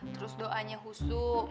terus doanya husu